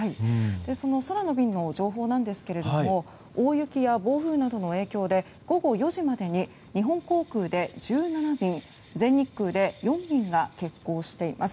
空の便の情報なんですが大雪や暴風などの影響で午後４時までに日本航空で１７便全日空で４便が欠航しています。